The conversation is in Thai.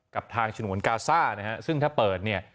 กับทางฉนวนกาซ่านะฮะซึ่งถ้าเปิดเนี่ย